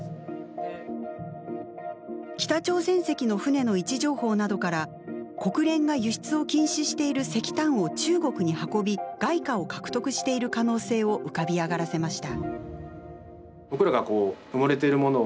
北朝鮮籍の船の位置情報などから国連が輸出を禁止している石炭を中国に運び外貨を獲得している可能性を浮かび上がらせました。